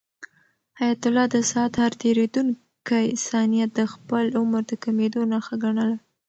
حیات الله د ساعت هر تېریدونکی ثانیه د خپل عمر د کمېدو نښه ګڼله.